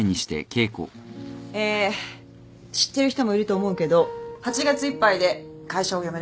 え知ってる人もいると思うけど８月いっぱいで会社を辞めることになりました。